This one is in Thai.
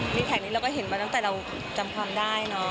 มีแขกนี้เราก็เห็นมาตั้งแต่เราจำความได้เนอะ